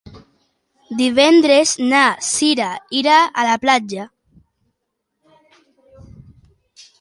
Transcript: Divendres na Cira irà a la platja.